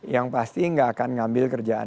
yang pasti gak akan ngambil kerjaan